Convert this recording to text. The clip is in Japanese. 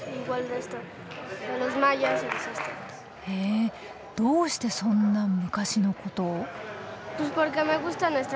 へえどうしてそんな昔のことを？